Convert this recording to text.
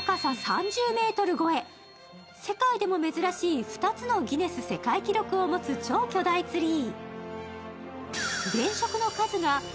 世界でも珍しい２つのギネス世界記録を持つ超巨大ツリー。